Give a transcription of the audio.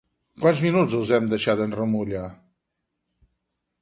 Quants minuts els hem de deixar en remulla?